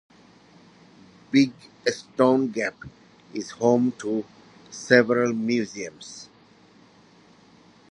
Big Stone Gap is home to several museums.